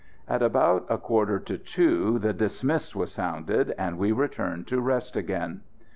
At about a quarter to two the "dismiss" was sounded, and we returned to rest again.